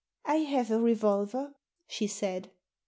• I have a revolver," she said.